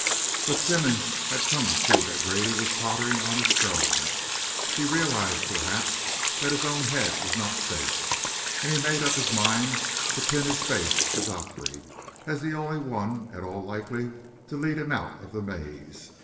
But Simmonds had come to see that Grady was tottering on his throne; he realised, perhaps, that his own head was not safe; and he had made up his mind to pin his faith to Godfrey as the only one at all likely to lead him out of the maze.